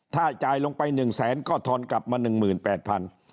ถ้าจ่ายลงไปหนึ่งแสนก็ทอนกลับมาหนึ่งหมื่นแปดพัน